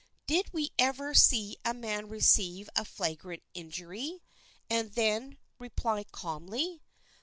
Did we ever see a man receive a flagrant injury, and then reply calmly?